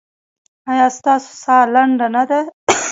ایا ستاسو ساه لنډه نه ده؟